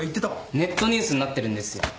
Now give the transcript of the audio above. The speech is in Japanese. ネットニュースになってるんですよ。